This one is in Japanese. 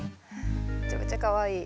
めちゃめちゃかわいい。